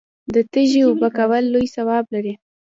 د تږي اوبه کول لوی ثواب لري.